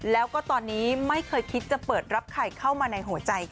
แล้วก็ตอนนี้ไม่เคยคิดจะเปิดรับใครเข้ามาในหัวใจค่ะ